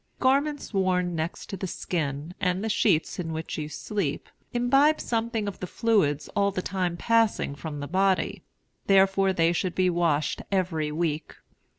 Garments worn next to the skin, and the sheets in which you sleep, imbibe something of the fluids all the time passing from the body; therefore they should be washed every week.